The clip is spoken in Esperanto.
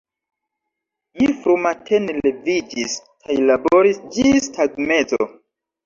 Mi frumatene leviĝis kaj laboris ĝis tagmezo.